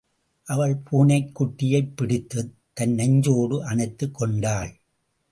அவள் பூனைக்குட்டியைப் பிடித்துத், தன் நெஞ்சோடு அனைத்துக் கொண்டாள்.